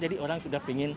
jadi orang sudah ingin tahu